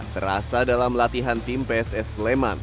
terasa dalam latihan tim pss sleman